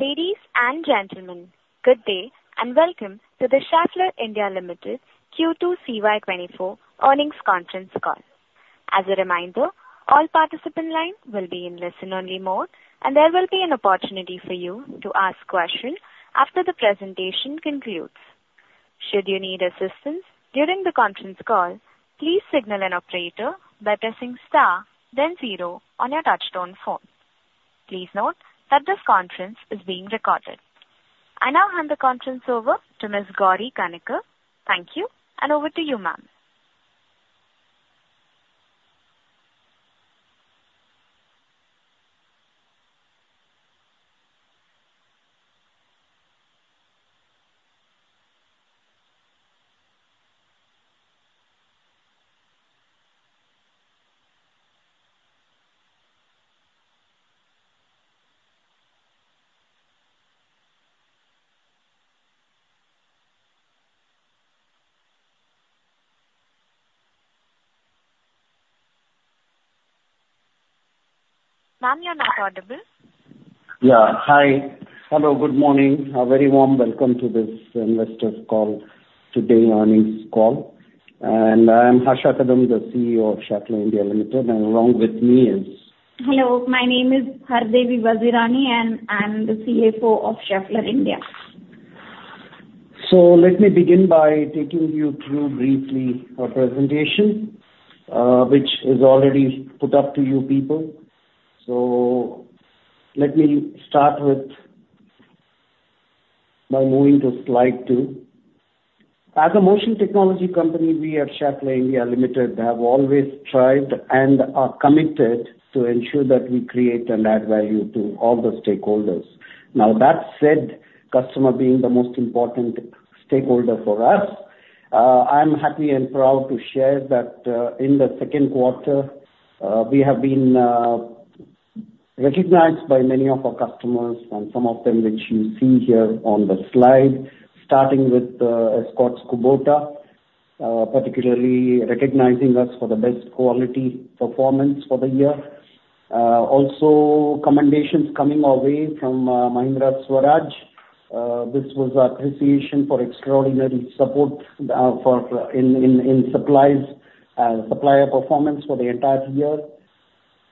Ladies and gentlemen, good day and welcome to the Schaeffler India, Klaus Rosenfeld, Q2CY24 earnings conference call. As a reminder, all participants' lines will be in listen-only mode, and there will be an opportunity for you to ask questions after the presentation concludes. Should you need assistance during the conference call, please signal an operator by pressing * then 0 on your touch-tone phone. Please note that this conference is being recorded. I now hand the conference over to Ms. Gauri Kanikar. Thank you, and over to you, ma'am. Ma'am, you're not audible. Yeah, hi. Hello, good morning. A very warm welcome to this investor call, today's earnings call. I'm Harsha Kadam, the CEO of Schaeffler India, Klaus Rosenfeld, and along with me is. Hello, my name is Hardevi Bajrani, and I'm the CFO of Schaeffler India. So let me begin by taking you through briefly our presentation, which is already put up to you people. So let me start with me moving to slide 2. As a motion technology company, we at Schaeffler India, Klaus Rosenfeld, have always strived and are committed to ensure that we create and add value to all the stakeholders. Now, that said, customer being the most important stakeholder for us, I'm happy and proud to share that in the second quarter, we have been recognized by many of our customers, and some of them which you see here on the slide, starting with Kubota, particularly recognizing us for the best quality performance for the year. Also, commendations coming our way from Mahindra Swaraj. This was our appreciation for extraordinary support in supplier performance for the entire year.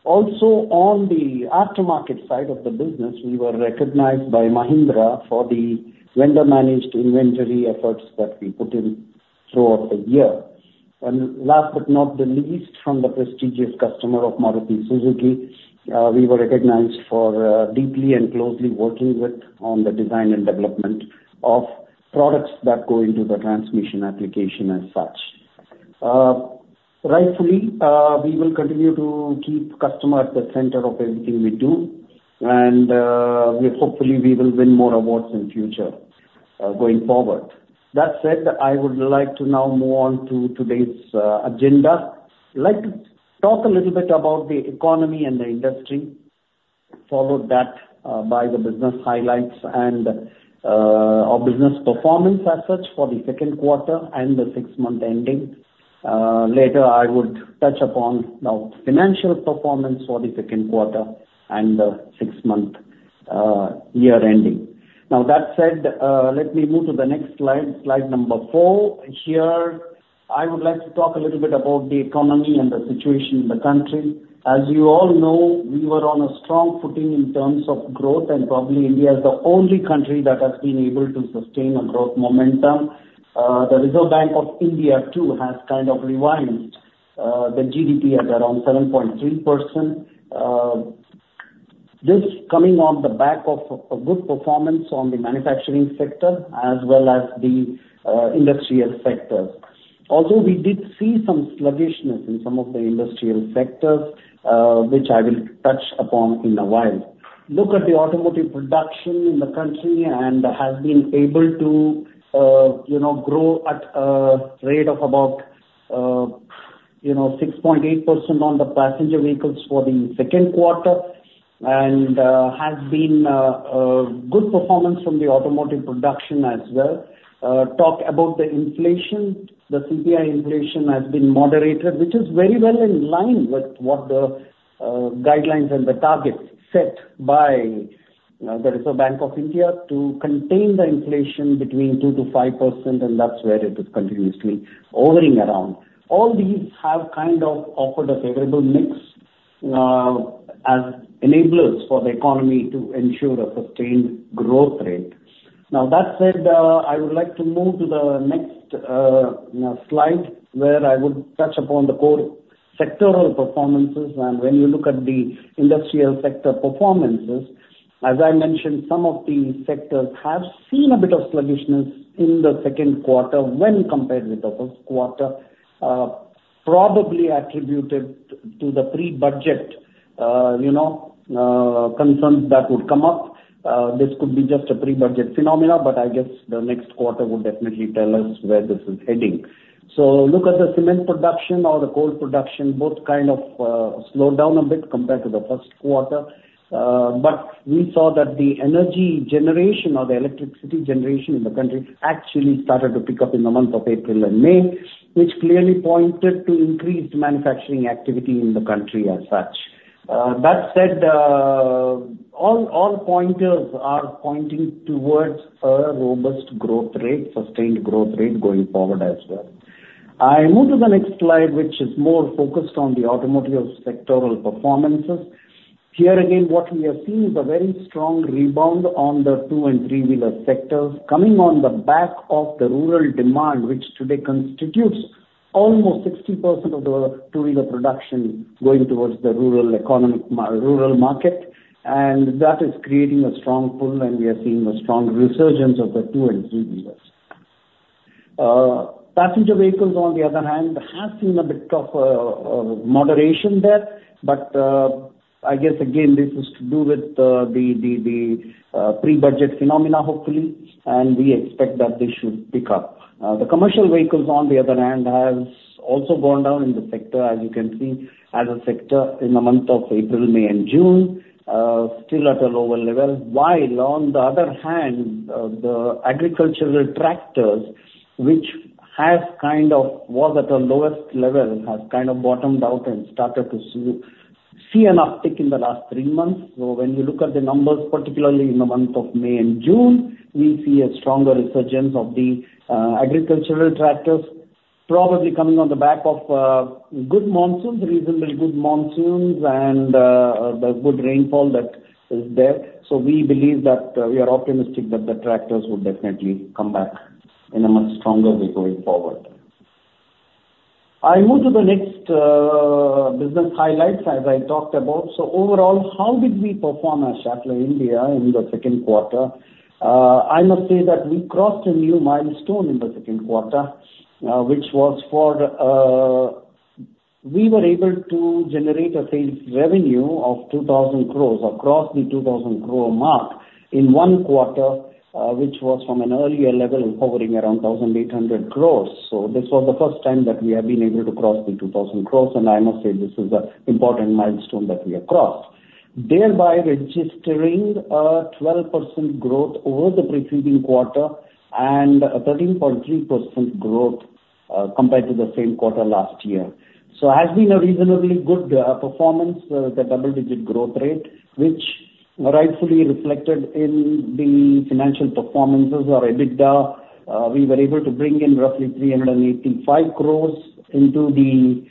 Also, on the aftermarket side of the business, we were recognized by Mahindra for the vendor-managed inventory efforts that we put in throughout the year. Last but not the least, from the prestigious customer of Maruti Suzuki, we were recognized for deeply and closely working with on the design and development of products that go into the transmission application as such. Rightfully, we will continue to keep customer at the center of everything we do, and hopefully, we will win more awards in the future going forward. That said, I would like to now move on to today's agenda. I'd like to talk a little bit about the economy and the industry, followed that by the business highlights and our business performance as such for the second quarter and the six-month ending. Later, I would touch upon the financial performance for the second quarter and the six-month year ending. Now, that said, let me move to the next slide, slide number 4. Here, I would like to talk a little bit about the economy and the situation in the country. As you all know, we were on a strong footing in terms of growth, and probably India is the only country that has been able to sustain a growth momentum. The Reserve Bank of India too has kind of revised the GDP at around 7.3%. This coming on the back of a good performance on the manufacturing sector as well as the industrial sector. Although we did see some sluggishness in some of the industrial sectors, which I will touch upon in a while. Look at the automotive production in the country and has been able to grow at a rate of about 6.8% on the passenger vehicles for the second quarter, and has been good performance from the automotive production as well. Talk about the inflation. The CPI inflation has been moderated, which is very well in line with what the guidelines and the targets set by the Reserve Bank of India to contain the inflation between 2%-5%, and that's where it is continuously hovering around. All these have kind of offered a favorable mix as enablers for the economy to ensure a sustained growth rate. Now, that said, I would like to move to the next slide where I would touch upon the core sectoral performances. When you look at the industrial sector performances, as I mentioned, some of the sectors have seen a bit of sluggishness in the second quarter when compared with the first quarter, probably attributed to the pre-budget concerns that would come up. This could be just a pre-budget phenomenon, but I guess the next quarter will definitely tell us where this is heading. So look at the cement production or the coal production, both kind of slowed down a bit compared to the first quarter. But we saw that the energy generation or the electricity generation in the country actually started to pick up in the month of April and May, which clearly pointed to increased manufacturing activity in the country as such. That said, all pointers are pointing towards a robust growth rate, sustained growth rate going forward as well. I move to the next slide, which is more focused on the automotive sectoral performances. Here again, what we have seen is a very strong rebound on the two and three-wheeler sectors coming on the back of the rural demand, which today constitutes almost 60% of the two-wheeler production going towards the rural market. And that is creating a strong pull, and we are seeing a strong resurgence of the two and three-wheelers. Passenger vehicles, on the other hand, have seen a bit of moderation there. But I guess, again, this is to do with the pre-budget phenomena, hopefully, and we expect that they should pick up. The commercial vehicles, on the other hand, have also gone down in the sector, as you can see, as a sector in the month of April, May, and June, still at a lower level. While, on the other hand, the agricultural tractors, which have kind of was at a lowest level, have kind of bottomed out and started to see an uptick in the last three months. So when you look at the numbers, particularly in the month of May and June, we see a stronger resurgence of the agricultural tractors, probably coming on the back of good monsoons, reasonably good monsoons, and the good rainfall that is there. So we believe that we are optimistic that the tractors will definitely come back in a much stronger way going forward. I move to the next business highlights, as I talked about. So overall, how did we perform as Schaeffler India in the second quarter? I must say that we crossed a new milestone in the second quarter, which was for we were able to generate a sales revenue of 2,000 crore across the 2,000 crore mark in one quarter, which was from an earlier level hovering around 1,800 crore. So this was the first time that we have been able to cross the 2,000 crore, and I must say this is an important milestone that we have crossed, thereby registering a 12% growth over the preceding quarter and a 13.3% growth compared to the same quarter last year. So it has been a reasonably good performance, the double-digit growth rate, which rightfully reflected in the financial performances or EBITDA. We were able to bring in roughly 385 crore into the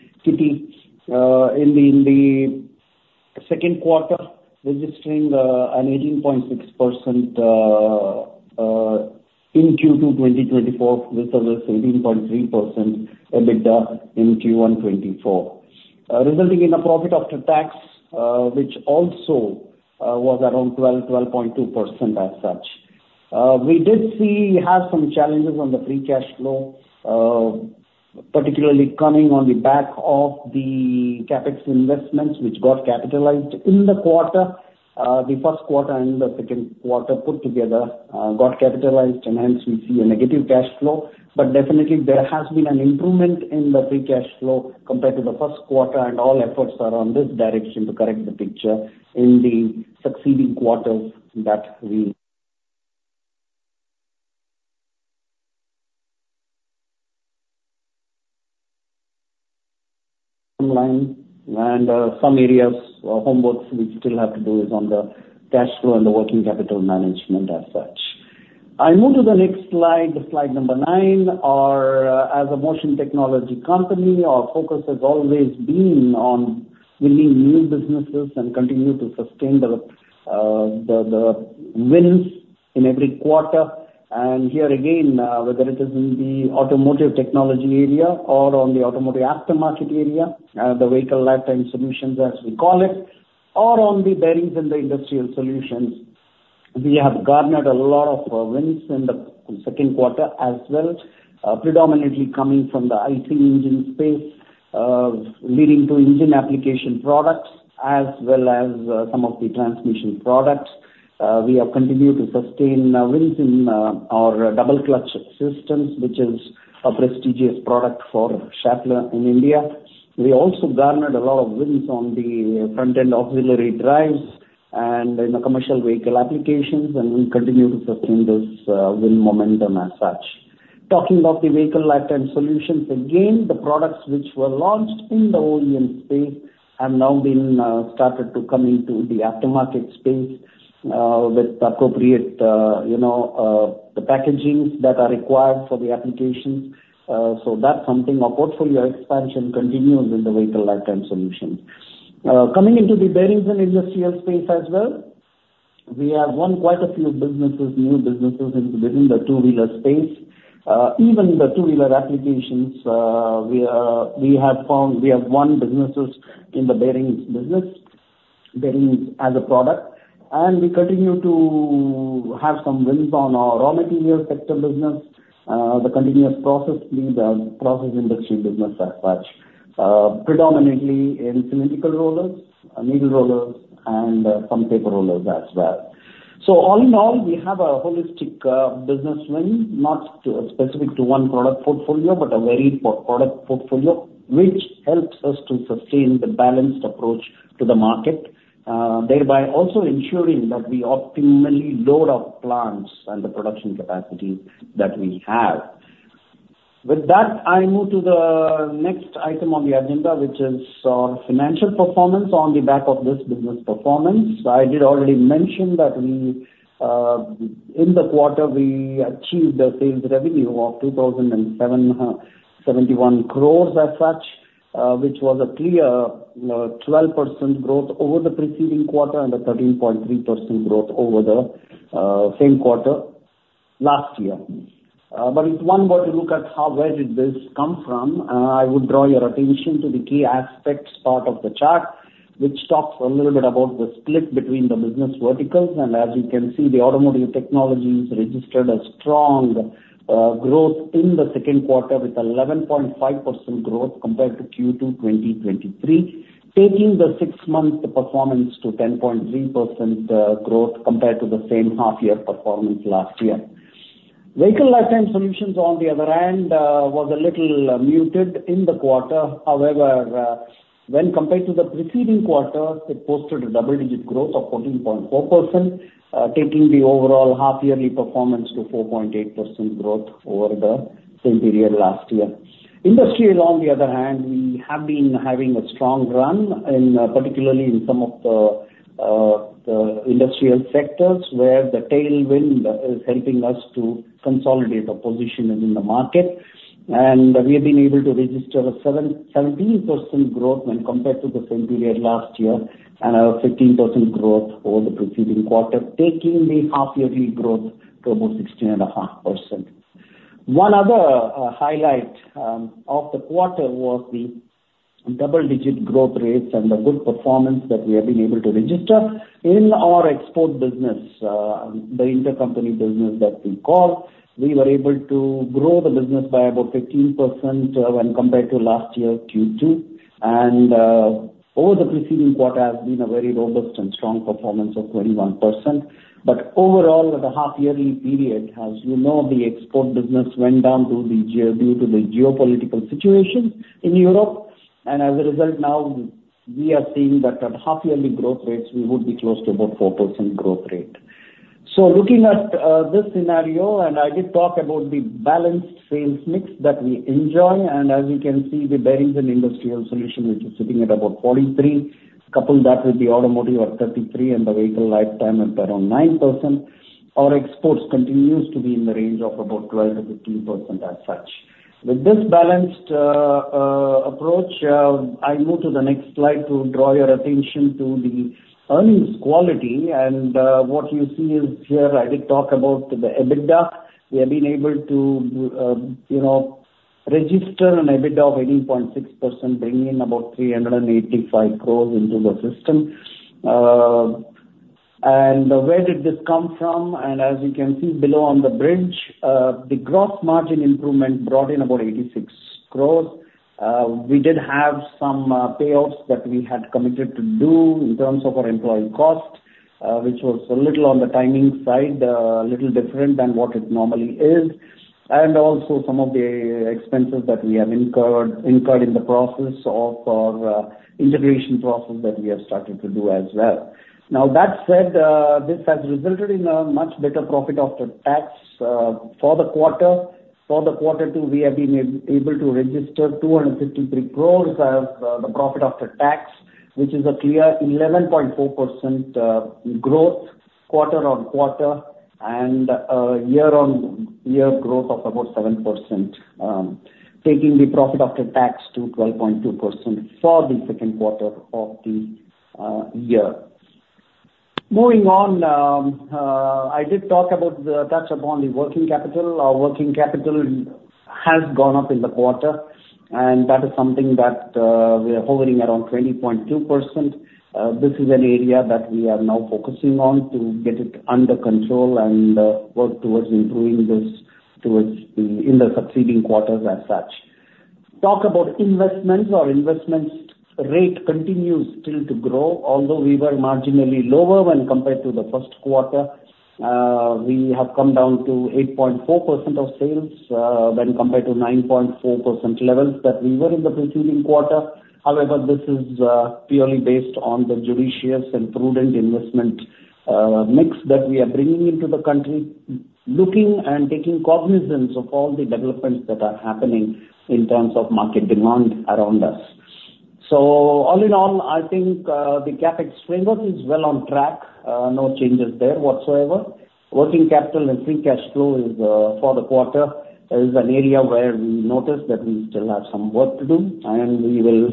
second quarter, registering an 18.6% in Q2 2024, which was 18.3% EBITDA in Q1 2024, resulting in a profit after tax, which also was around 12.2% as such. We did see we have some challenges on the free cash flow, particularly coming on the back of the CapEx investments, which got capitalized in the quarter, the first quarter and the second quarter put together, got capitalized, and hence we see a negative cash flow. But definitely, there has been an improvement in the free cash flow compared to the first quarter, and all efforts are on this direction to correct the picture in the succeeding quarters that we line. And some areas of homework we still have to do is on the cash flow and the working capital management as such. I move to the next slide, slide number 9. As a motion technology company, our focus has always been on winning new businesses and continuing to sustain the wins in every quarter. Here again, whether it is in the automotive technology area or on the automotive aftermarket area, the vehicle lifetime solutions, as we call it, or on the bearings and the industrial solutions, we have garnered a lot of wins in the second quarter as well, predominantly coming from the IC engine space, leading to engine application products, as well as some of the transmission products. We have continued to sustain wins in our double-clutch systems, which is a prestigious product for Schaeffler in India. We also garnered a lot of wins on the front-end auxiliary drives and in the commercial vehicle applications, and we continue to sustain this win momentum as such. Talking of the vehicle lifetime solutions, again, the products which were launched in the OEM space have now been started to come into the aftermarket space with appropriate packagings that are required for the applications. So that's something our portfolio expansion continues in the vehicle lifetime solutions. Coming into the bearings and industrial space as well, we have won quite a few businesses, new businesses within the two-wheeler space. Even the two-wheeler applications, we have found we have won businesses in the bearings business, bearings as a product. And we continue to have some wins on our raw material sector business, the continuous process, the process industry business as such, predominantly in cylindrical rollers, needle rollers, and some paper rollers as well. So all in all, we have a holistic business win, not specific to one product portfolio, but a varied product portfolio, which helps us to sustain the balanced approach to the market, thereby also ensuring that we optimally load our plants and the production capacity that we have. With that, I move to the next item on the agenda, which is our financial performance on the back of this business performance. I did already mention that in the quarter, we achieved a sales revenue of 2,771 crores as such, which was a clear 12% growth over the preceding quarter and a 13.3% growth over the same quarter last year. But it's one more to look at how where did this come from. I would draw your attention to the key aspects part of the chart, which talks a little bit about the split between the business verticals. As you can see, the automotive technologies registered a strong growth in the second quarter with 11.5% growth compared to Q2 2023, taking the six-month performance to 10.3% growth compared to the same half-year performance last year. Vehicle lifetime solutions, on the other hand, was a little muted in the quarter. However, when compared to the preceding quarter, it posted a double-digit growth of 14.4%, taking the overall half-yearly performance to 4.8% growth over the same period last year. Industry, on the other hand, we have been having a strong run, particularly in some of the industrial sectors where the tailwind is helping us to consolidate our position in the market. We have been able to register a 17% growth when compared to the same period last year and a 15% growth over the preceding quarter, taking the half-yearly growth to about 16.5%. One other highlight of the quarter was the double-digit growth rates and the good performance that we have been able to register in our export business, the intercompany business that we call. We were able to grow the business by about 15% when compared to last year, Q2. Over the preceding quarter, it has been a very robust and strong performance of 21%. But overall, in the half-yearly period, as you know, the export business went down due to the geopolitical situation in Europe. As a result, now we are seeing that at half-yearly growth rates, we would be close to about 4% growth rate. Looking at this scenario, and I did talk about the balanced sales mix that we enjoy. As you can see, the bearings and industrial solution, which is sitting at about 43, coupled that with the automotive at 33, and the vehicle lifetime at around 9%, our exports continue to be in the range of about 12%-15% as such. With this balanced approach, I move to the next slide to draw your attention to the earnings quality. What you see is here, I did talk about the EBITDA. We have been able to register an EBITDA of 18.6%, bringing in about 385 crore into the system. Where did this come from? As you can see below on the bridge, the gross margin improvement brought in about 86 crore. We did have some payoffs that we had committed to do in terms of our employee cost, which was a little on the timing side, a little different than what it normally is, and also some of the expenses that we have incurred in the process of our integration process that we have started to do as well. Now, that said, this has resulted in a much better profit after tax for the quarter. For the quarter two, we have been able to register 253 crore as the profit after tax, which is a clear 11.4% growth quarter-on-quarter and year-on-year growth of about 7%, taking the profit after tax to 12.2% for the second quarter of the year. Moving on, I did talk about the touch upon the working capital. Our working capital has gone up in the quarter, and that is something that we are hovering around 20.2%. This is an area that we are now focusing on to get it under control and work towards improving this in the succeeding quarters as such. Talk about investments. Our investment rate continues still to grow, although we were marginally lower when compared to the first quarter. We have come down to 8.4% of sales when compared to 9.4% levels that we were in the preceding quarter. However, this is purely based on the judicious and prudent investment mix that we are bringing into the country, looking and taking cognizance of all the developments that are happening in terms of market demand around us. So all in all, I think the CapEx framework is well on track, no changes there whatsoever. Working capital and free cash flow for the quarter is an area where we notice that we still have some work to do, and we will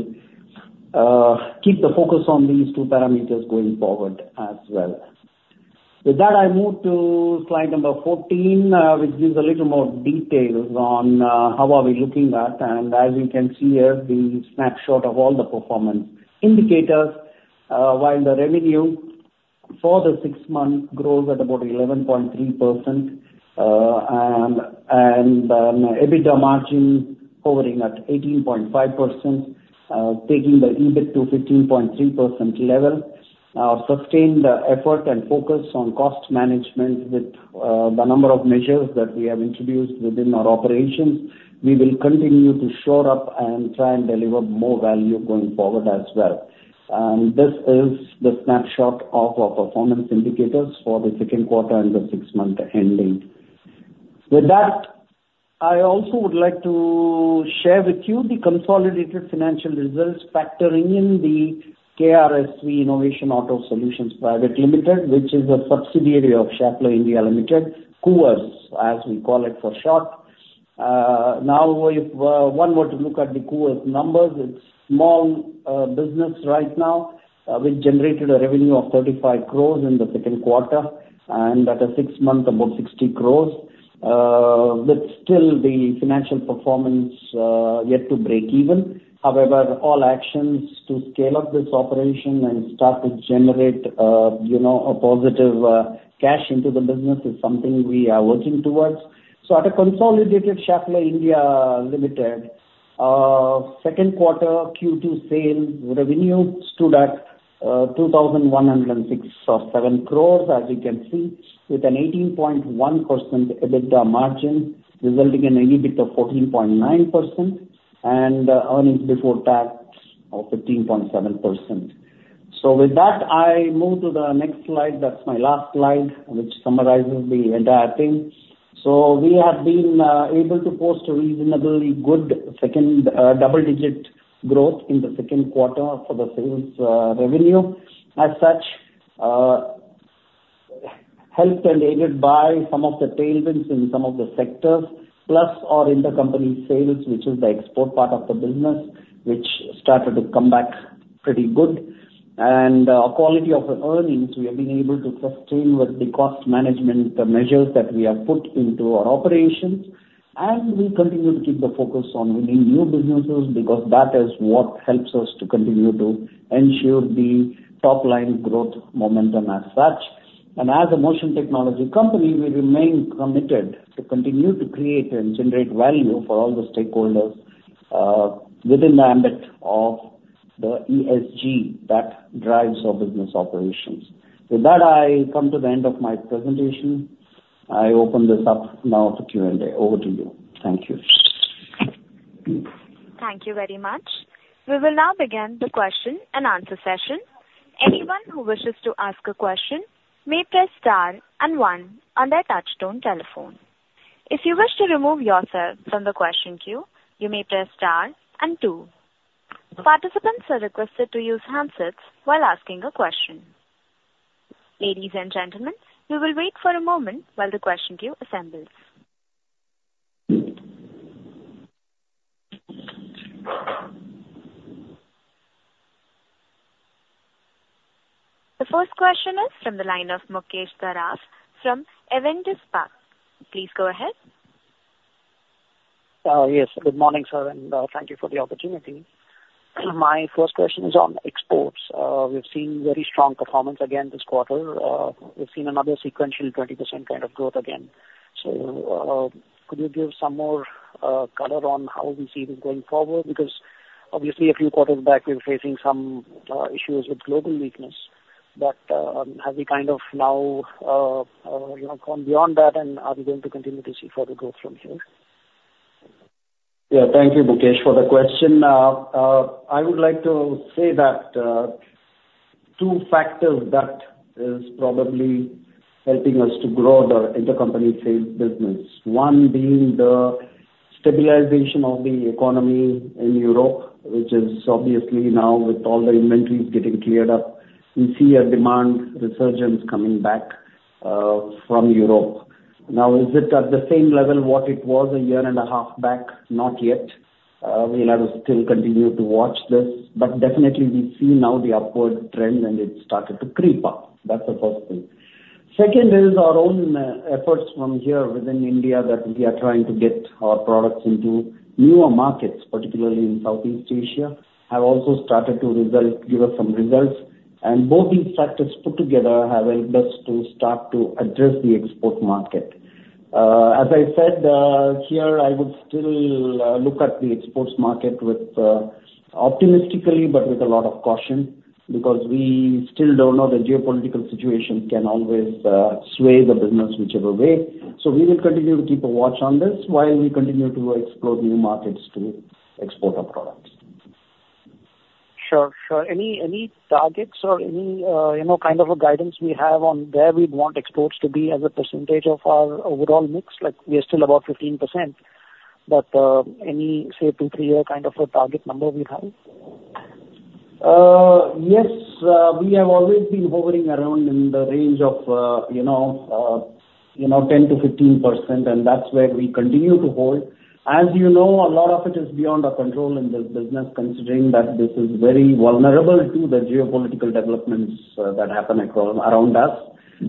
keep the focus on these two parameters going forward as well. With that, I move to slide number 14, which gives a little more details on how are we looking at. As you can see here, the snapshot of all the performance indicators, while the revenue for the six months grows at about 11.3% and EBITDA margin hovering at 18.5%, taking the EBIT to 15.3% level, our sustained effort and focus on cost management with the number of measures that we have introduced within our operations, we will continue to shore up and try and deliver more value going forward as well. This is the snapshot of our performance indicators for the second quarter and the six-month ending. With that, I also would like to share with you the consolidated financial results factoring in the KRSV Innovation Auto Solutions Private Limited, which is a subsidiary of Schaeffler India Limited, Koovers, as we call it for short. Now, if one were to look at the Koovers numbers, it's a small business right now, which generated a revenue of 35 crore in the second quarter and at a six-month about 60 crore. But still, the financial performance yet to break even. However, all actions to scale up this operation and start to generate a positive cash into the business is something we are working towards. So at a consolidated Schaeffler India Limited, second quarter Q2 sales revenue stood at 2,106.7 crore, as you can see, with an 18.1% EBITDA margin resulting in an EBIT of 14.9% and earnings before tax of 15.7%. So with that, I move to the next slide. That's my last slide, which summarizes the entire thing. So we have been able to post a reasonably good double-digit growth in the second quarter for the sales revenue. As such, helped and aided by some of the tailwinds in some of the sectors, plus our intercompany sales, which is the export part of the business, which started to come back pretty good. And quality of earnings, we have been able to sustain with the cost management measures that we have put into our operations. And we continue to keep the focus on winning new businesses because that is what helps us to continue to ensure the top-line growth momentum as such. As a motion technology company, we remain committed to continue to create and generate value for all the stakeholders within the ambit of the ESG that drives our business operations. With that, I come to the end of my presentation. I open this up now to Q&A. Over to you. Thank you. Thank you very much. We will now begin the question and answer session. Anyone who wishes to ask a question may press star and one on their touch-tone telephone. If you wish to remove yourself from the question queue, you may press star and two. Participants are requested to use handsets while asking a question. Ladies and gentlemen, we will wait for a moment while the question queue assembles. The first question is from the line of Mukesh Saraf from Avendus Spark. Please go ahead. Yes. Good morning, sir, and thank you for the opportunity. My first question is on exports. We've seen very strong performance again this quarter. We've seen another sequential 20% kind of growth again. So could you give some more color on how we see this going forward? Because obviously, a few quarters back, we were facing some issues with global weakness. But have we kind of now gone beyond that, and are we going to continue to see further growth from here? Yeah. Thank you, Mukesh, for the question. I would like to say that two factors that are probably helping us to grow the intercompany sales business, one being the stabilization of the economy in Europe, which is obviously now with all the inventories getting cleared up, we see a demand resurgence coming back from Europe. Now, is it at the same level what it was a year and a half back? Not yet. We'll have to still continue to watch this. But definitely, we see now the upward trend, and it started to creep up. That's the first thing. Second is our own efforts from here within India that we are trying to get our products into newer markets, particularly in Southeast Asia, have also started to give us some results. Both these factors put together have helped us to start to address the export market. As I said here, I would still look at the exports market optimistically, but with a lot of caution because we still don't know. The geopolitical situation can always sway the business whichever way. So we will continue to keep a watch on this while we continue to explore new markets to export our products. Sure. Sure. Any targets or any kind of a guidance we have on where we'd want exports to be as a percentage of our overall mix? We are still about 15%, but any, say, two, three-year kind of a target number we have? Yes. We have always been hovering around in the range of 10%-15%, and that's where we continue to hold. As you know, a lot of it is beyond our control in this business, considering that this is very vulnerable to the geopolitical developments that happen around us.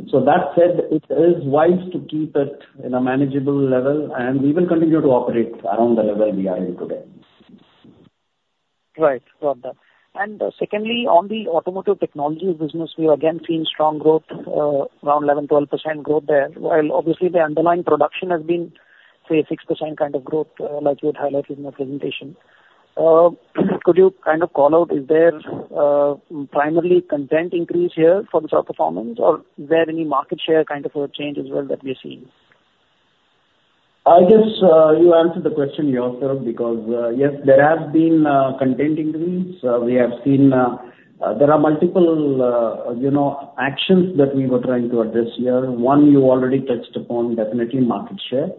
So that said, it is wise to keep it in a manageable level, and we will continue to operate around the level we are in today. Right. Got that. And secondly, on the automotive technology business, we are again seeing strong growth, around 11%-12% growth there. While obviously, the underlying production has been, say, 6% kind of growth, like you had highlighted in your presentation. Could you kind of call out, is there primarily content increase here for the performance, or is there any market share kind of a change as well that we're seeing? I guess you answered the question yourself because, yes, there has been content increase. We have seen there are multiple actions that we were trying to address here. One, you already touched upon, definitely market share.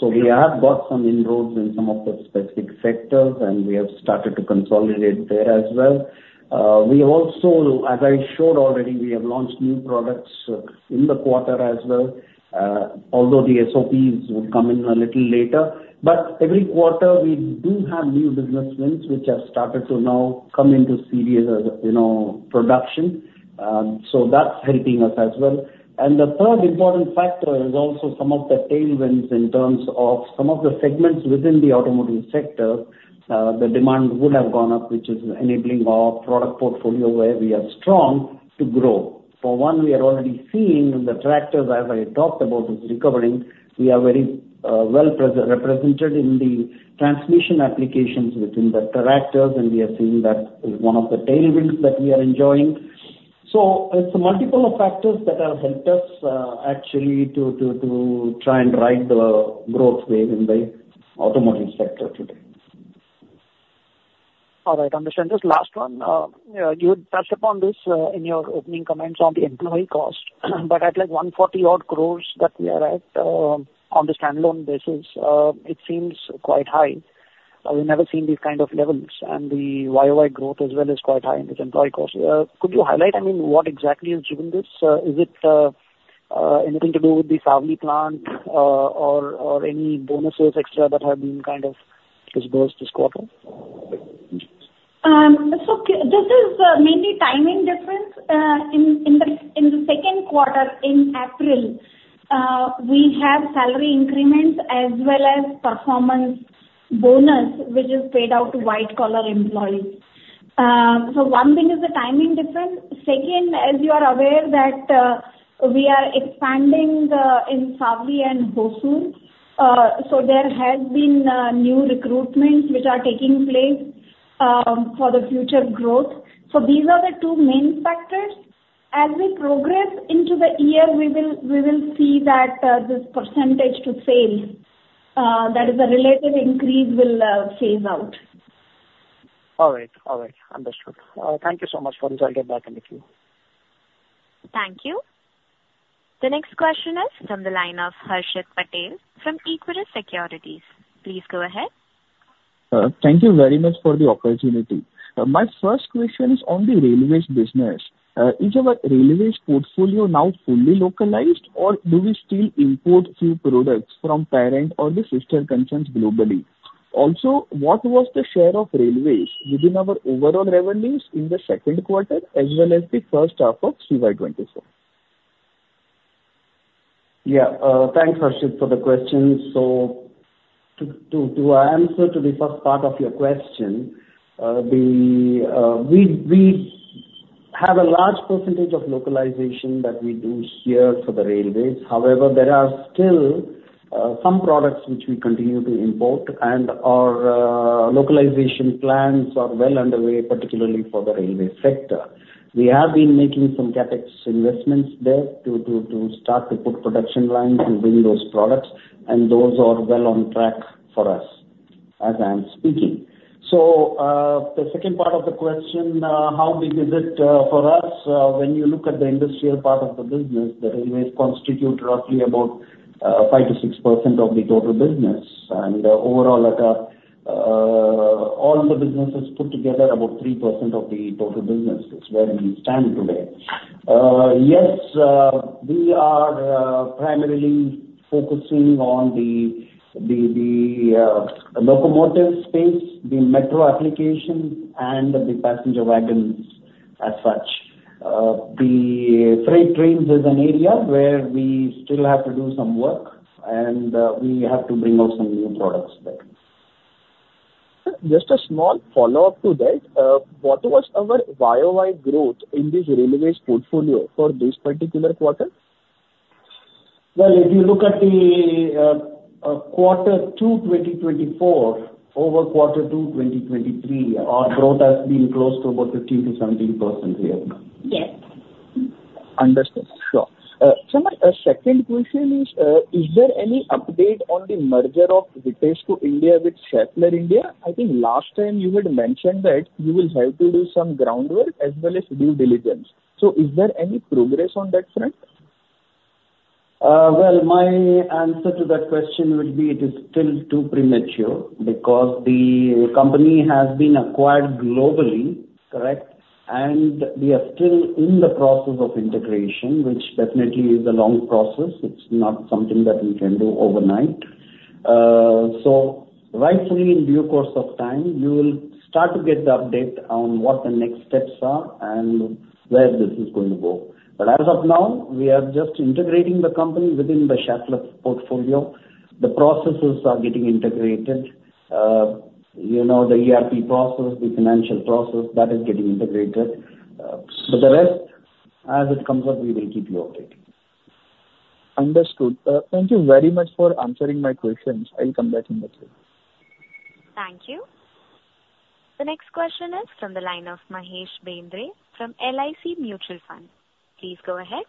So we have got some inroads in some of the specific sectors, and we have started to consolidate there as well. We have also, as I showed already, we have launched new products in the quarter as well, although the SOPs will come in a little later. But every quarter, we do have new business wins which have started to now come into serious production. So that's helping us as well. And the third important factor is also some of the tailwinds in terms of some of the segments within the automotive sector. The demand would have gone up, which is enabling our product portfolio, where we are strong, to grow. For one, we are already seeing the tractors, as I talked about, is recovering. We are very well represented in the transmission applications within the tractors, and we are seeing that as one of the tailwinds that we are enjoying. So it's multiple factors that have helped us actually to try and ride the growth wave in the automotive sector today. All right. Understand. Just last one. You touched upon this in your opening comments on the employee cost, but at like 140-odd crore that we are at on the standalone basis, it seems quite high. We've never seen these kind of levels, and the YOI growth as well is quite high in this employee cost. Could you highlight, I mean, what exactly is doing this? Is it anything to do with the Savli plant or any bonuses extra that have been kind of disbursed this quarter? This is mainly timing difference. In the second quarter, in April, we have salary increments as well as performance bonus, which is paid out to white-collar employees. One thing is the timing difference. Second, as you are aware that we are expanding in Savli and Hosur, so there have been new recruitments which are taking place for the future growth. These are the two main factors. As we progress into the year, we will see that this percentage to sale, that is a relative increase, will phase out. All right. All right. Understood. Thank you so much. For this, I'll get back in with you. Thank you. The next question is from the line of Harsh Patel from Equirus Securities. Please go ahead. Thank you very much for the opportunity. My first question is on the railways business. Is our railways portfolio now fully localized, or do we still import few products from parent or the sister concerns globally? Also, what was the share of railways within our overall revenues in the second quarter as well as the first half of 2024? Yeah. Thanks, Hersh, for the question. So to answer to the first part of your question, we have a large percentage of localization that we do here for the railways. However, there are still some products which we continue to import, and our localization plans are well underway, particularly for the railway sector. We have been making some CapEx investments there to start to put production lines to bring those products, and those are well on track for us as I'm speaking. So the second part of the question, how big is it for us? When you look at the industrial part of the business, the railways constitute roughly about 5%-6% of the total business. And overall, all the businesses put together about 3% of the total business is where we stand today. Yes, we are primarily focusing on the locomotive space, the metro application, and the passenger wagons as such. The freight trains is an area where we still have to do some work, and we have to bring out some new products there. Just a small follow-up to that. What was our YOI growth in this railways portfolio for this particular quarter? Well, if you look at the quarter two 2024 over quarter two 2023, our growth has been close to about 15%-17% here. Yes. Understood. Sure. A second question is, is there any update on the merger of Vitesco India with Schaeffler India? I think last time you had mentioned that you will have to do some groundwork as well as due diligence. So is there any progress on that front? Well, my answer to that question would be it is still too premature because the company has been acquired globally, correct? And we are still in the process of integration, which definitely is a long process. It's not something that we can do overnight. So rightfully, in due course of time, you will start to get the update on what the next steps are and where this is going to go. But as of now, we are just integrating the company within the Schaeffler portfolio. The processes are getting integrated. The ERP process, the financial process, that is getting integrated. But the rest, as it comes up, we will keep you updated. Understood. Thank you very much for answering my questions. I'll come back in with you. Thank you. The next question is from the line of Mahesh Bendre from LIC Mutual Fund. Please go ahead.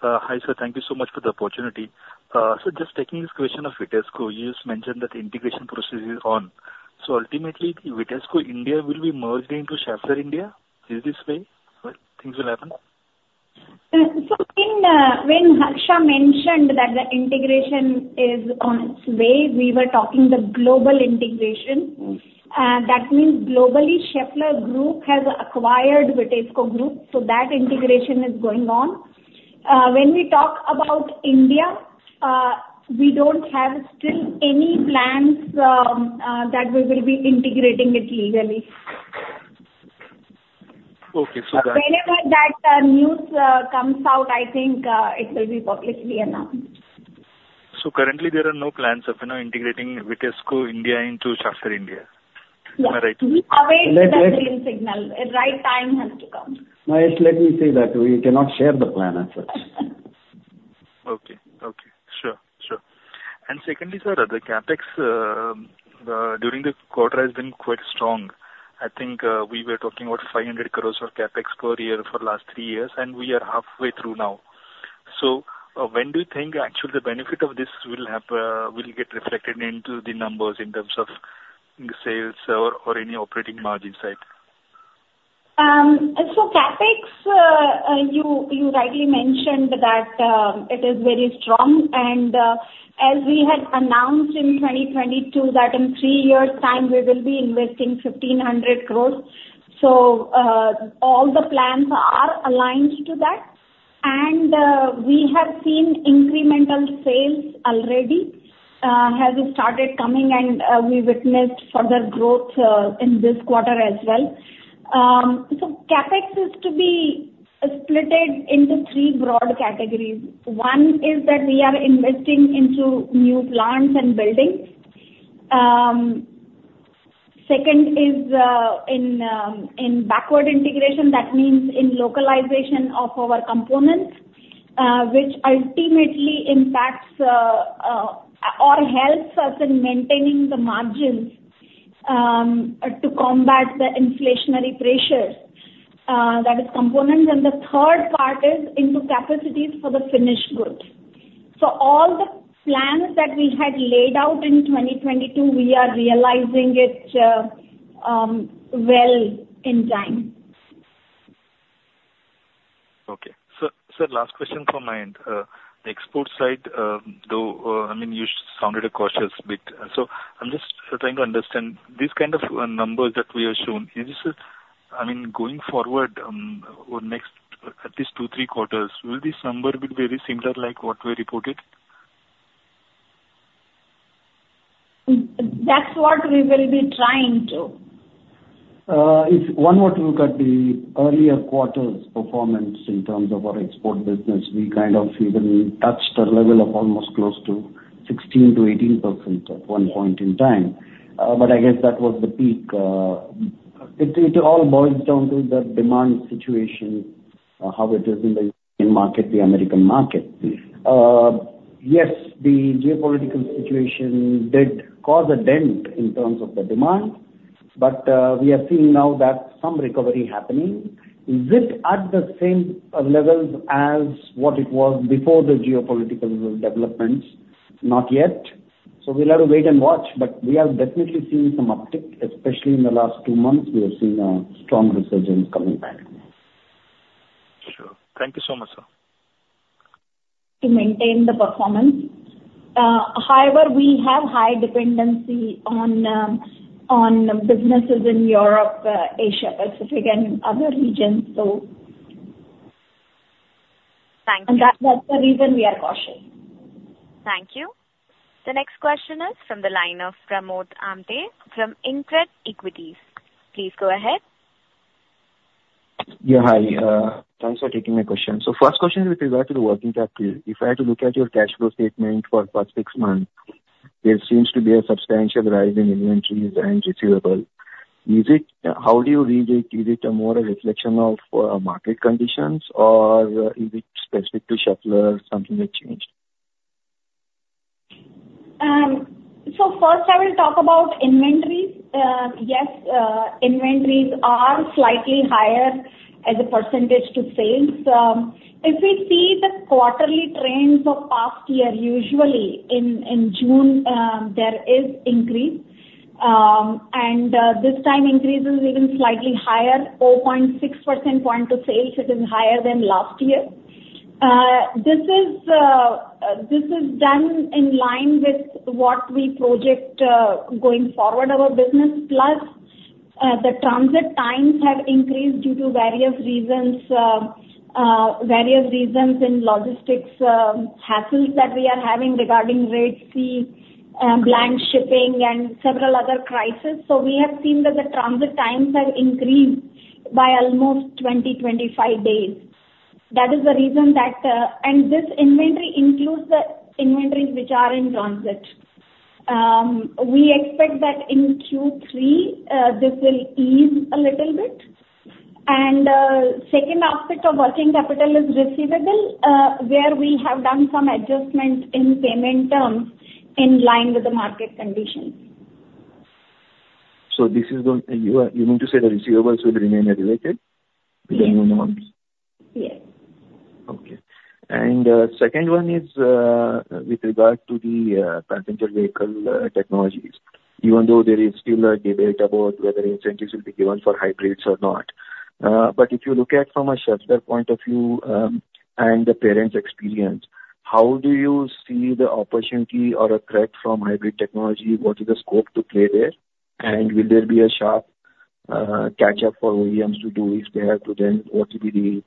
Hi, sir. Thank you so much for the opportunity. So just taking this question of Vitesco, you just mentioned that the integration process is on. So ultimately, Vitesco India will be merged into Schaeffler India. Is this way things will happen? So when Hersh mentioned that the integration is on its way, we were talking the global integration. That means globally, Schaeffler Group has acquired Vitesco Group, so that integration is going on. When we talk about India, we don't have still any plans that we will be integrating it legally. Okay. So that. Whenever that news comes out, I think it will be publicly announced. So currently, there are no plans of integrating Vitesco India into Schaeffler India. Am I right? We await that real signal. Right time has to come. Mahesh, let me say that we cannot share the plan as such. Okay. Okay. Sure. Sure. And secondly, sir, the CapEx during the quarter has been quite strong. I think we were talking about 500 crore of CapEx per year for the last three years, and we are halfway through now. So when do you think actually the benefit of this will get reflected into the numbers in terms of sales or any operating margin side? CapEx, you rightly mentioned that it is very strong. As we had announced in 2022 that in three years' time, we will be investing 1,500 crore. All the plans are aligned to that. We have seen incremental sales already have started coming, and we witnessed further growth in this quarter as well. CapEx is to be split into three broad categories. One is that we are investing into new plants and building. Second is in backward integration. That means in localization of our components, which ultimately impacts or helps us in maintaining the margins to combat the inflationary pressures, that is, components. The third part is into capacities for the finished goods. All the plans that we had laid out in 2022, we are realizing it well in time. Okay. Sir, last question from my end. The export side, though, I mean, you sounded cautious, but so I'm just trying to understand these kind of numbers that we are shown. I mean, going forward, next at least two, three quarters, will this number be very similar like what we reported? That's what we will be trying to. It's one. What we look at the earlier quarters' performance in terms of our export business. We kind of even touched a level of almost close to 16%-18% at one point in time. But I guess that was the peak. It all boils down to the demand situation, how it is in the market, the American market. Yes, the geopolitical situation did cause a dent in terms of the demand, but we are seeing now that some recovery happening. Is it at the same levels as what it was before the geopolitical developments? Not yet. So we'll have to wait and watch, but we are definitely seeing some uptick, especially in the last two months. We have seen a strong resurgence coming back. Sure. Thank you so much, sir. To maintain the performance. However, we have high dependency on businesses in Europe, Asia-Pacific, and other regions, so. Thank you. That's the reason we are cautious. Thank you. The next question is from the line of Pramod Amte from InCred Equities. Please go ahead. Yeah. Hi. Thanks for taking my question. So first question is with regard to the working capital. If I had to look at your cash flow statement for the past six months, there seems to be a substantial rise in inventories and receivables. How do you read it? Is it more a reflection of market conditions, or is it specific to Schaeffler? Something that changed? So first, I will talk about inventories. Yes, inventories are slightly higher as a percentage to sales. If we see the quarterly trends of past year, usually in June, there is increase. And this time, increase is even slightly higher, 0.6 percentage point to sales. It is higher than last year. This is done in line with what we project going forward, our business. Plus, the transit times have increased due to various reasons in logistics hassles that we are having regarding rate fee, blank shipping, and several other crises. So we have seen that the transit times have increased by almost 20-25 days. That is the reason that and this inventory includes the inventories which are in transit. We expect that in Q3, this will ease a little bit. Second aspect of working capital is receivables, where we have done some adjustment in payment terms in line with the market conditions. This is going to you mean to say the receivables will remain elevated? Yes. Okay. Second one is with regard to the passenger vehicle technologies, even though there is still a debate about whether incentives will be given for hybrids or not. But if you look at from a Schaeffler point of view and the parents' experience, how do you see the opportunity or a threat from hybrid technology? What is the scope to play there? And will there be a sharp catch-up for OEMs to do if they have to? Then what will be the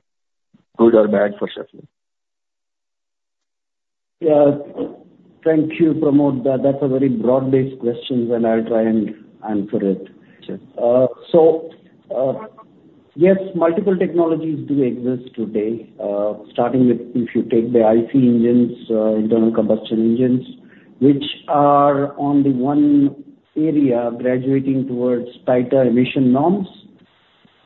good or bad for Schaeffler? Yeah. Thank you, Pramod. That's a very broad-based question, and I'll try and answer it. So yes, multiple technologies do exist today, starting with if you take the IC engines, internal combustion engines, which are on the one area graduating towards tighter emission norms,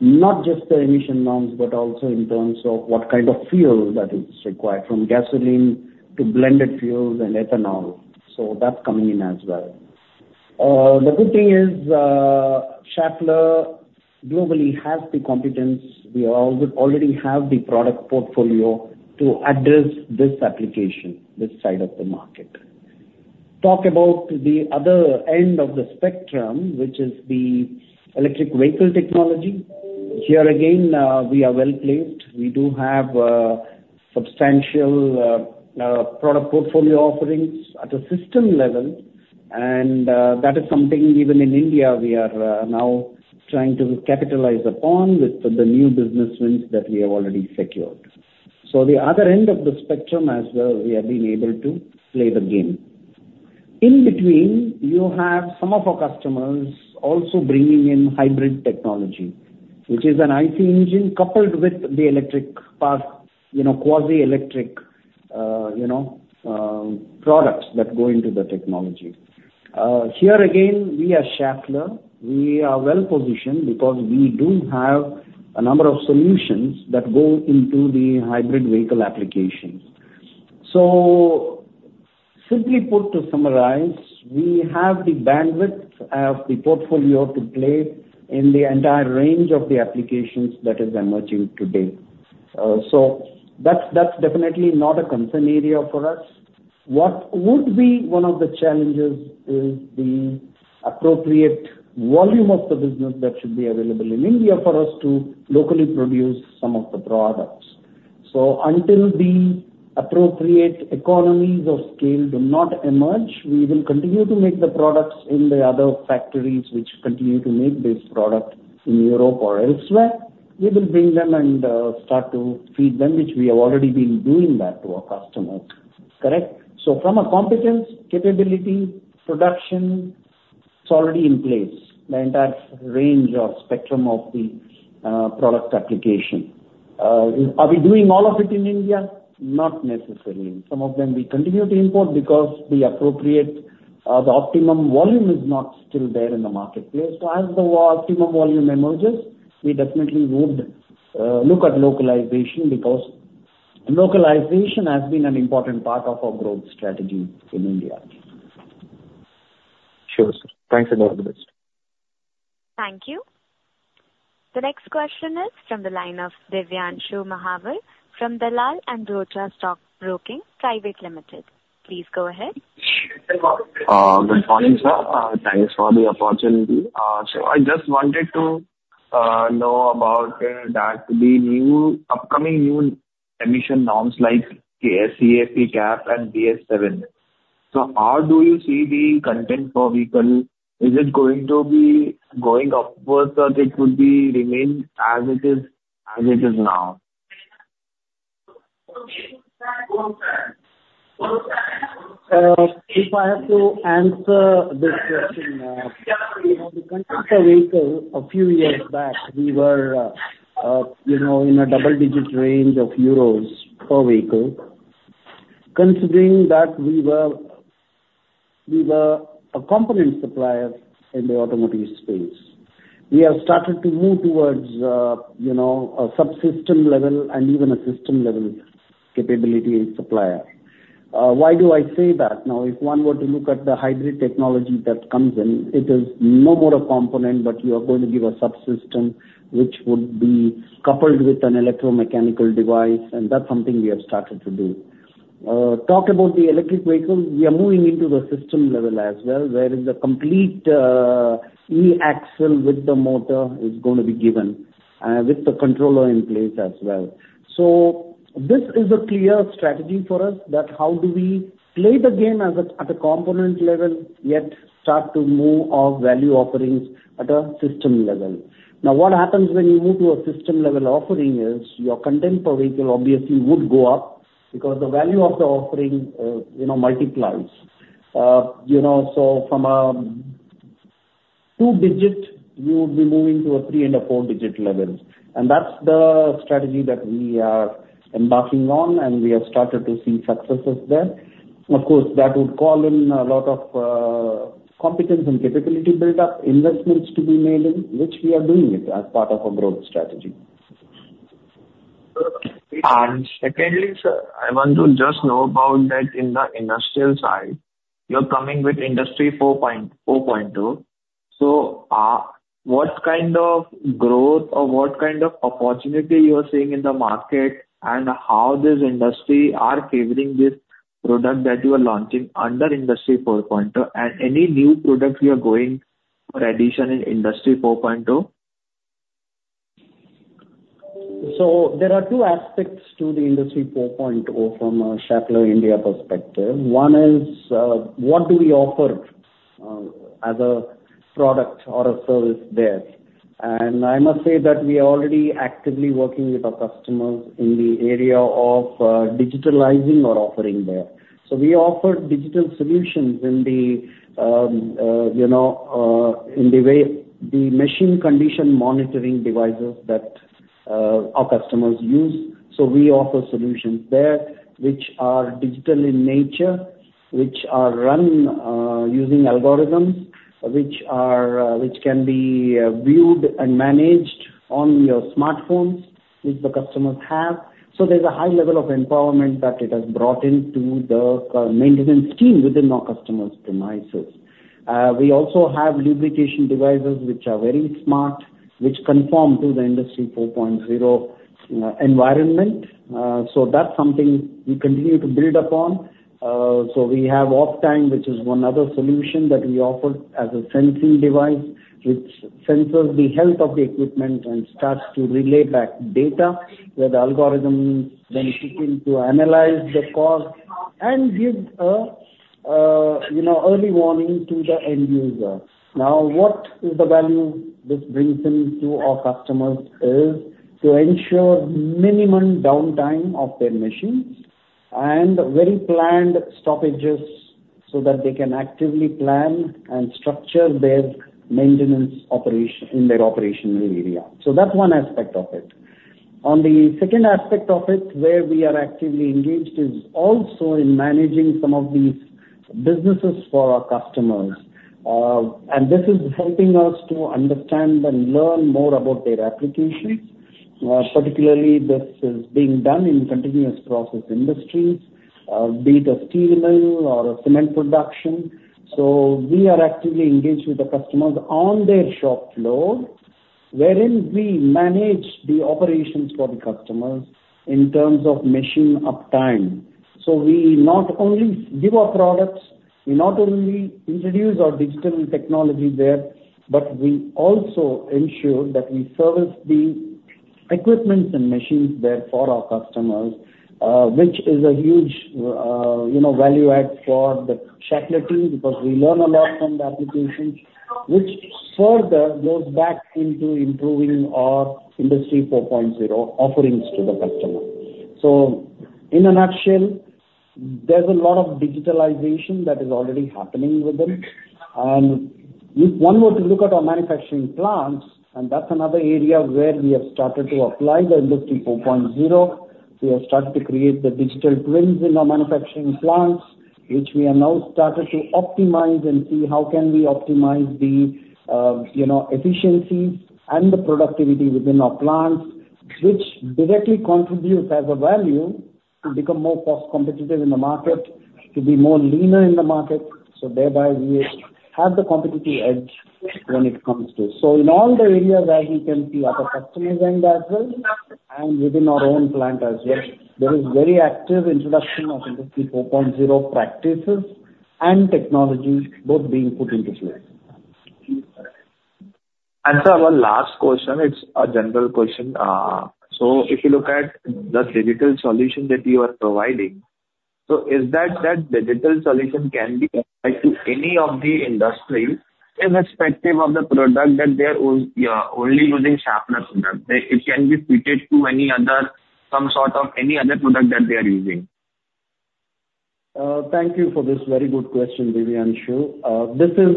not just the emission norms, but also in terms of what kind of fuel that is required from gasoline to blended fuels and ethanol. So that's coming in as well. The good thing is Schaeffler globally has the competence. We already have the product portfolio to address this application, this side of the market. Talk about the other end of the spectrum, which is the electric vehicle technology. Here again, we are well placed. We do have substantial product portfolio offerings at a system level, and that is something even in India, we are now trying to capitalize upon with the new business wins that we have already secured. So the other end of the spectrum as well, we have been able to play the game. In between, you have some of our customers also bringing in hybrid technology, which is an IC engine coupled with the electric part, quasi-electric products that go into the technology. Here again, we are Schaeffler. We are well positioned because we do have a number of solutions that go into the hybrid vehicle applications. So simply put to summarize, we have the bandwidth of the portfolio to play in the entire range of the applications that is emerging today. So that's definitely not a concern area for us. What would be one of the challenges is the appropriate volume of the business that should be available in India for us to locally produce some of the products. So until the appropriate economies of scale do not emerge, we will continue to make the products in the other factories which continue to make this product in Europe or elsewhere. We will bring them and start to feed them, which we have already been doing that to our customers. Correct? So from a competence, capability, production, it's already in place, the entire range or spectrum of the product application. Are we doing all of it in India? Not necessarily. Some of them we continue to import because the optimum volume is not still there in the marketplace. As the optimum volume emerges, we definitely would look at localization because localization has been an important part of our growth strategy in India. Sure, sir. Thanks a lot. Thank you. The next question is from the line of Divyanshu Mahawal from Dalal and Broacha Stock Broking Private Limited. Please go ahead. Good morning, sir. Thanks for the opportunity. I just wanted to know about the upcoming new emission norms like KSCF, ECAP, and BS-7. How do you see the content per vehicle? Is it going to be going upwards or it would remain as it is now? If I have to answer this question, the content per vehicle a few years back, we were in a double-digit range of EUR per vehicle. Considering that we were a component supplier in the automotive space, we have started to move towards a subsystem level and even a system-level capability supplier. Why do I say that? Now, if one were to look at the hybrid technology that comes in, it is no more a component, but you are going to give a subsystem which would be coupled with an electromechanical device, and that's something we have started to do. Talk about the electric vehicle, we are moving into the system level as well, where the complete E-Axle with the motor is going to be given with the controller in place as well. This is a clear strategy for us that how do we play the game at a component level, yet start to move our value offerings at a system level? Now, what happens when you move to a system-level offering is your content per vehicle obviously would go up because the value of the offering multiplies. From a two-digit, you would be moving to a three and a four-digit level. That's the strategy that we are embarking on, and we have started to see successes there. Of course, that would call in a lot of competence and capability build-up, investments to be made in, which we are doing as part of our growth strategy. Secondly, sir, I want to just know about that in the industrial side. You're coming with Industry 4.0. So what kind of growth or what kind of opportunity you are seeing in the market and how this industry is favoring this product that you are launching under Industry 4.0 and any new products you are going for addition in Industry 4.0? So there are two aspects to the Industry 4.0 from a Schaeffler India perspective. One is what do we offer as a product or a service there? I must say that we are already actively working with our customers in the area of digitalizing our offering there. So we offer digital solutions in the way of the machine condition monitoring devices that our customers use. So we offer solutions there which are digital in nature, which are run using algorithms which can be viewed and managed on your smartphones which the customers have. So there's a high level of empowerment that it has brought into the maintenance team within our customers' devices. We also have lubrication devices which are very smart, which conform to the Industry 4.0 environment. So that's something we continue to build upon. So we have OPTIME, which is one other solution that we offer as a sensing device, which senses the health of the equipment and starts to relay back data where the algorithms then begin to analyze the cost and give early warning to the end user. Now, what is the value this brings into our customers is to ensure minimum downtime of their machines and very planned stoppages so that they can actively plan and structure their maintenance operation in their operational area. So that's one aspect of it. On the second aspect of it, where we are actively engaged is also in managing some of these businesses for our customers. And this is helping us to understand and learn more about their applications. Particularly, this is being done in continuous process industries, be it a steel mill or a cement production. So we are actively engaged with the customers on their shop floor, wherein we manage the operations for the customers in terms of machine uptime. We not only give our products, we not only introduce our digital technology there, but we also ensure that we service the equipment and machines there for our customers, which is a huge value add for the Schaeffler team because we learn a lot from the applications, which further goes back into improving our Industry 4.0 offerings to the customer. In a nutshell, there's a lot of digitalization that is already happening with them. If one were to look at our manufacturing plants, and that's another area where we have started to apply the Industry 4.0. We have started to create the digital twins in our manufacturing plants, which we have now started to optimize and see how can we optimize the efficiencies and the productivity within our plants, which directly contributes as a value to become more cost competitive in the market, to be more leaner in the market. So thereby, we have the competitive edge when it comes to. So in all the areas as you can see, our customers and as well as within our own plant as well, there is very active introduction of Industry 4.0 practices and technology both being put into place. Sir, one last question. It's a general question. So if you look at the digital solution that you are providing, so is that digital solution can be applied to any of the industries irrespective of the product that they are only using Schaeffler product? It can be fitted to some sort of any other product that they are using. Thank you for this very good question, Divyanshu. This is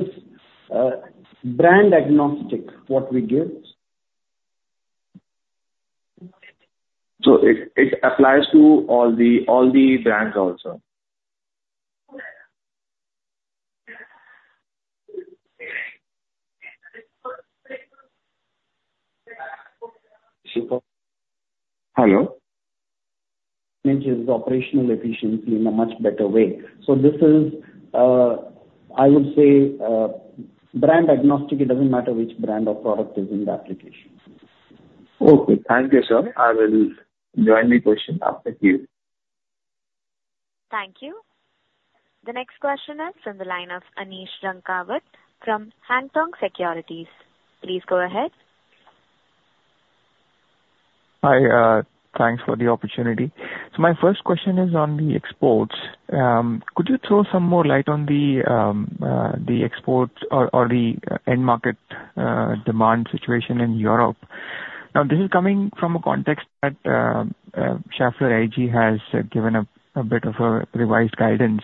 brand agnostic what we give. So it applies to all the brands also? Super. Hello? Changes operational efficiency in a much better way. This is, I would say, brand agnostic. It doesn't matter which brand or product is in the application. Okay. Thank you, sir. I will join the question after you. Thank you. The next question is from the line of Anish Zankavat from Haitong Securities. Please go ahead. Hi. Thanks for the opportunity. So my first question is on the exports. Could you throw some more light on the exports or the end market demand situation in Europe? Now, this is coming from a context that Schaeffler AG has given a bit of a revised guidance,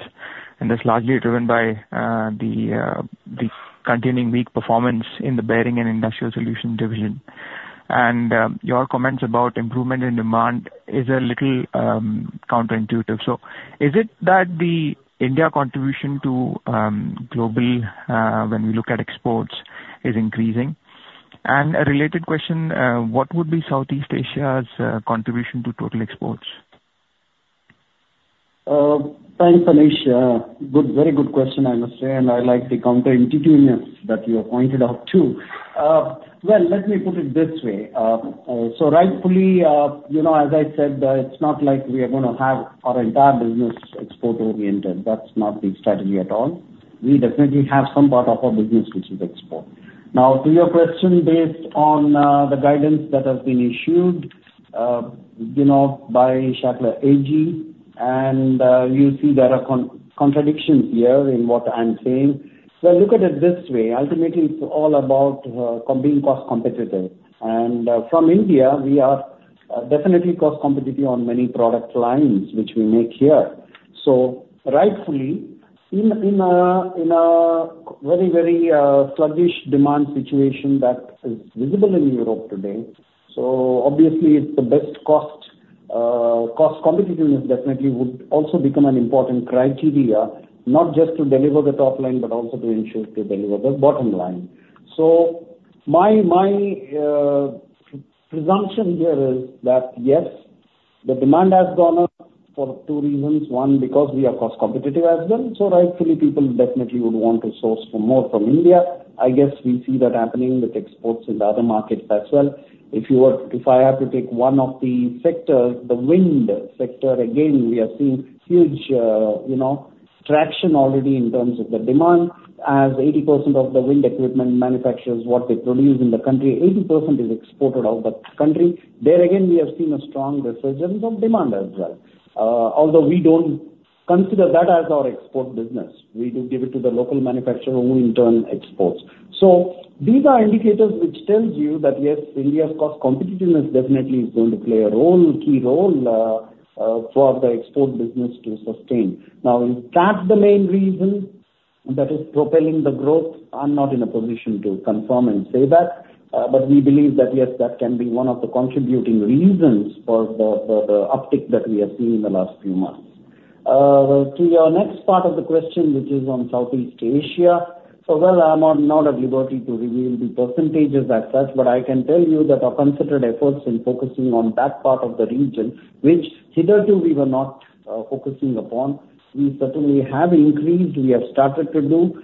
and that's largely driven by the continuing weak performance in the bearing and industrial solution division. And your comments about improvement in demand is a little counterintuitive. So is it that the India contribution to global when we look at exports is increasing? And a related question, what would be Southeast Asia's contribution to total exports? Thanks, Anish. Very good question, I must say. And I like the counterintuitive that you have pointed out too. Well, let me put it this way. So rightfully, as I said, it's not like we are going to have our entire business export-oriented. That's not the strategy at all. We definitely have some part of our business which is export. Now, to your question, based on the guidance that has been issued by Schaeffler AG, and you see there are contradictions here in what I'm saying. Well, look at it this way. Ultimately, it's all about being cost competitive. And from India, we are definitely cost competitive on many product lines which we make here. So, rightfully, in a very, very sluggish demand situation that is visible in Europe today, so obviously, it's the best cost competitiveness definitely would also become an important criteria, not just to deliver the top line, but also to ensure to deliver the bottom line. So my presumption here is that, yes, the demand has gone up for two reasons. One, because we are cost competitive as well. So rightfully, people definitely would want to source more from India. I guess we see that happening with exports in the other markets as well. If I have to pick one of the sectors, the wind sector, again, we are seeing huge traction already in terms of the demand. As 80% of the wind equipment manufacturers, what they produce in the country, 80% is exported out of the country. There again, we have seen a strong resurgence of demand as well. Although we don't consider that as our export business. We do give it to the local manufacturer who in turn exports. So these are indicators which tell you that, yes, India's cost competitiveness definitely is going to play a key role for the export business to sustain. Now, if that's the main reason that is propelling the growth, I'm not in a position to confirm and say that. But we believe that, yes, that can be one of the contributing reasons for the uptick that we have seen in the last few months. To your next part of the question, which is on Southeast Asia, so well, I'm not at liberty to reveal the percentages as such, but I can tell you that our concerted efforts in focusing on that part of the region, which hitherto we were not focusing upon, we certainly have increased. We have started to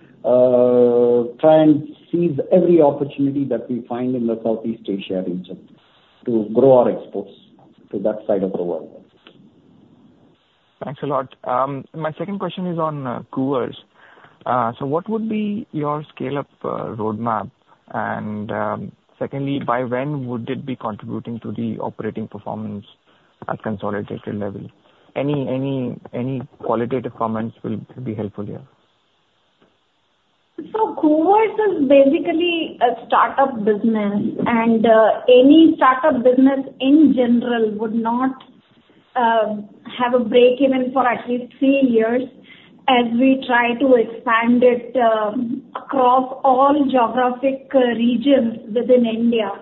try and seize every opportunity that we find in the Southeast Asia region to grow our exports to that side of the world. Thanks a lot. My second question is on coolers. What would be your scale-up roadmap? And secondly, by when would it be contributing to the operating performance at consolidated level? Any qualitative comments will be helpful here. Koovers is basically a startup business. Any startup business in general would not have a breakeven for at least three years as we try to expand it across all geographic regions within India.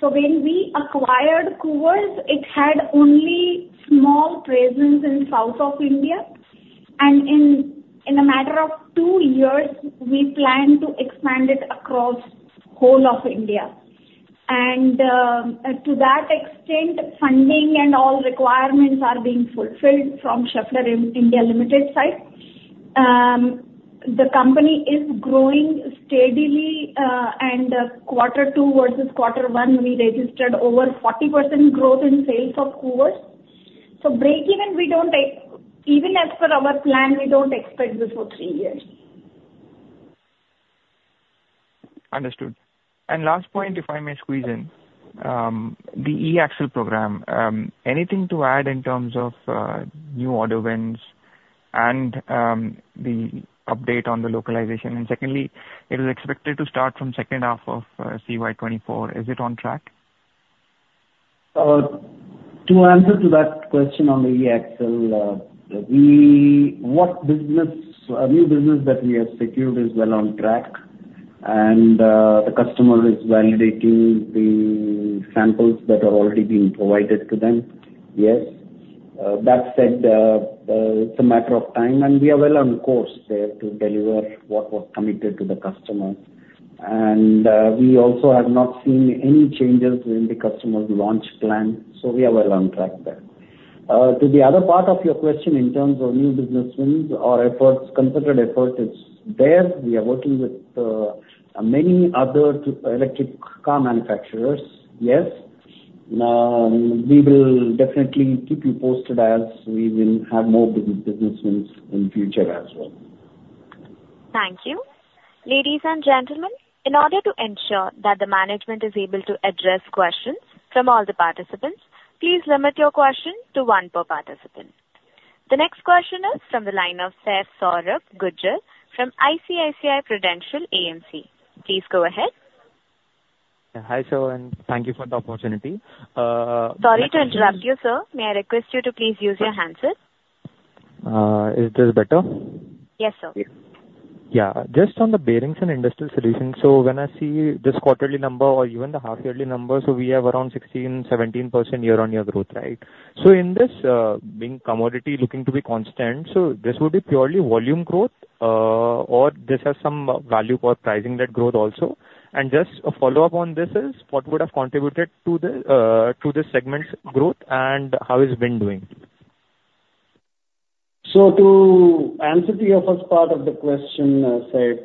When we acquired Koovers, it had only small presence in south of India. In a matter of two years, we plan to expand it across whole of India. To that extent, funding and all requirements are being fulfilled from Schaeffler India Limited side. The company is growing steadily, and quarter two versus quarter one, we registered over 40% growth in sales of Koovers. Breakeven, even as per our plan, we don't expect this for three years. Understood. And last point, if I may squeeze in, the e-axle program, anything to add in terms of new order wins and the update on the localization? And secondly, it is expected to start from second half of CY2024. Is it on track? To answer that question on the e-axle, the new business that we have secured is well on track, and the customer is validating the samples that are already being provided to them. Yes. That said, it's a matter of time, and we are well on course there to deliver what was committed to the customer. And we also have not seen any changes in the customer's launch plan, so we are well on track there. To the other part of your question in terms of new business wins, our concerted effort is there. We are working with many other electric car manufacturers. Yes. We will definitely keep you posted as we will have more business wins in the future as well. Thank you. Ladies and gentlemen, in order to ensure that the management is able to address questions from all the participants, please limit your question to one per participant. The next question is from the line of Saurabh Gujral from ICICI Prudential AMC. Please go ahead. Hi, sir, and thank you for the opportunity. Sorry to interrupt you, sir. May I request you to please use your hands? Is this better? Yes, sir. Yeah. Just on the bearings and industrial solutions, so when I see this quarterly number or even the half-yearly numbers, so we have around 16%-17% year-on-year growth, right? So in this being commodity looking to be constant, so this would be purely volume growth, or this has some value for pricing that growth also. And just a follow-up on this is, what would have contributed to this segment's growth, and how has wind been doing? To answer your first part of the question, Sir,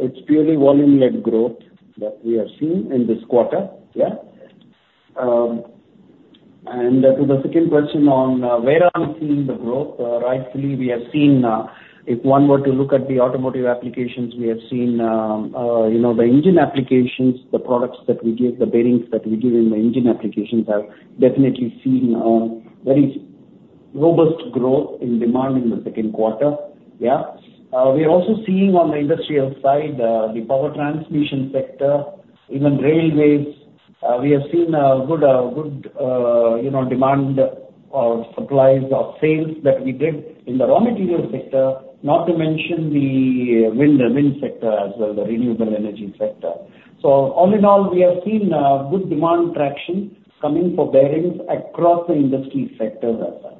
it's purely volume-led growth that we have seen in this quarter, yeah. To the second question on where are we seeing the growth, rightfully, we have seen if one were to look at the automotive applications, we have seen the engine applications, the products that we give, the bearings that we give in the engine applications have definitely seen very robust growth in demand in the second quarter, yeah. We are also seeing on the industrial side, the power transmission sector, even railways. We have seen good demand or supplies of sales that we did in the raw material sector, not to mention the wind sector as well, the renewable energy sector. All in all, we have seen good demand traction coming for bearings across the industry sector as such.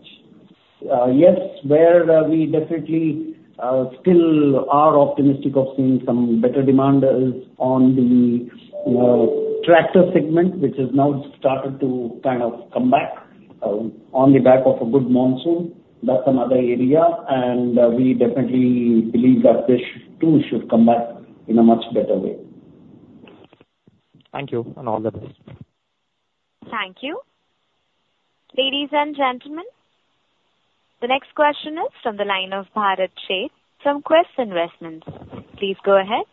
Yes, where we definitely still are optimistic of seeing some better demand is on the tractor segment, which has now started to kind of come back on the back of a good monsoon. That's another area, and we definitely believe that this too should come back in a much better way. Thank you, and all the best. Thank you. Ladies and gentlemen, the next question is from the line of Bharat Sheth from Quest Investments. Please go ahead.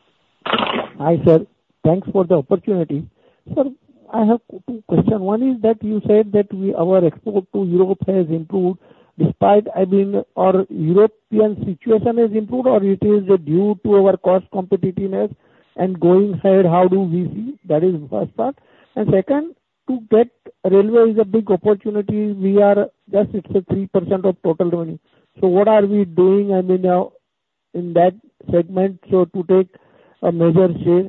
Hi, sir. Thanks for the opportunity. Sir, I have two questions. One is that you said that our export to Europe has improved despite our European situation has improved, or it is due to our cost competitiveness? And going ahead, how do we see? That is the first part. And second, to get railways a big opportunity, we are just, it's 3% of total revenue. So what are we doing in that segment to take a major share?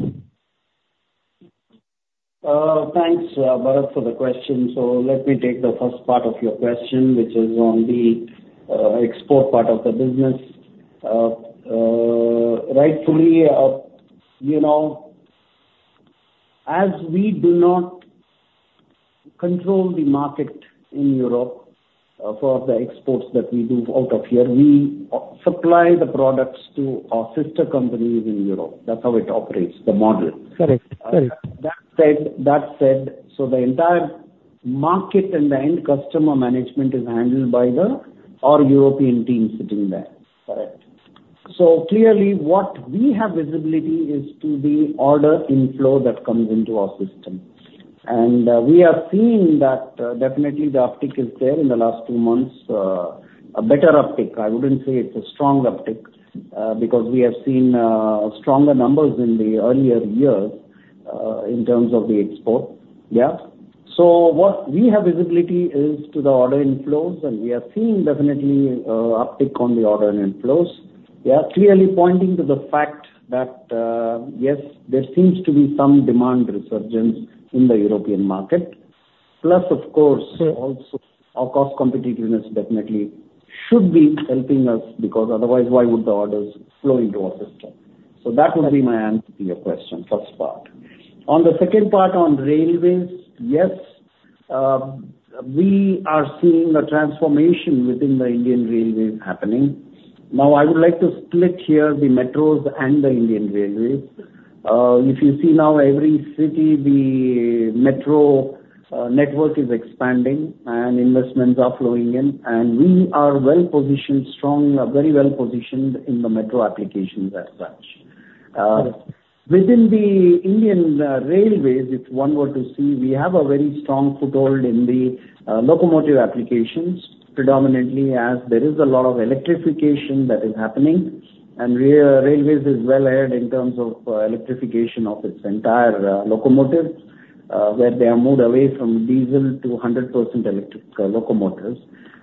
Thanks, Bharat, for the question. So let me take the first part of your question, which is on the export part of the business. Rightfully, as we do not control the market in Europe for the exports that we do out of here, we supply the products to our sister companies in Europe. That's how it operates, the model. Correct. Correct. That said, so the entire market and the end customer management is handled by our European team sitting there. Correct. So clearly, what we have visibility is to the order inflow that comes into our system. And we are seeing that definitely the uptick is there in the last two months, a better uptick. I wouldn't say it's a strong uptick because we have seen stronger numbers in the earlier years in terms of the export, yeah. So what we have visibility is to the order inflows, and we are seeing definitely uptick on the order inflows, yeah, clearly pointing to the fact that, yes, there seems to be some demand resurgence in the European market. Plus, of course, also our cost competitiveness definitely should be helping us because otherwise, why would the orders flow into our system? So that would be my answer to your question, first part. On the second part on railways, yes, we are seeing a transformation within the Indian Railways happening. Now, I would like to split here the metros and the Indian Railways. If you see now, every city, the metro network is expanding, and investments are flowing in, and we are well positioned, strong, very well positioned in the metro applications as such. Within the Indian Railways, if one were to see, we have a very strong foothold in the locomotive applications, predominantly as there is a lot of electrification that is happening. And railways is well ahead in terms of electrification of its entire locomotive, where they are moved away from diesel to 100% electric locomotives.